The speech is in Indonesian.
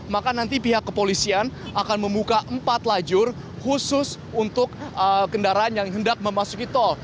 maka nanti pihak kepolisian akan membuka empat lajur khusus untuk kendaraan yang hendak memasuki tol